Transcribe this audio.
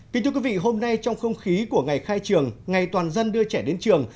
kính thưa quý vị hôm nay trong không khí của ngày khai trường ngày toàn dân đưa trẻ đến trường